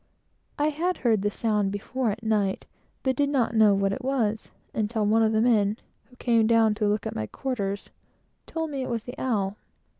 I had heard the sound before at night, but did not know what it was, until one of the men, who came down to look at my quarters, told me it was the owl.